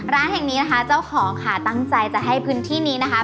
ร้านแห่งนี้นะคะเจ้าของค่ะตั้งใจจะให้พื้นที่นี้นะคะ